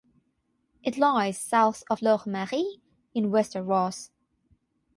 It lies south of Loch Maree in Wester Ross.